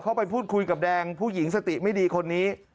ไปพูดคุยกับแดงผู้หญิงสติไม่ดีคนนี้